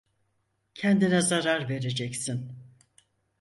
Kendine zarar vereceksin.